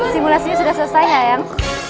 simulasinya sudah selesai hayang